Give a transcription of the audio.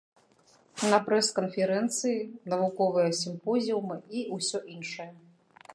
На прэс-канферэнцыі, навуковыя сімпозіумы і ўсё іншае.